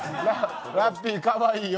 ラッピー、かわいいよ。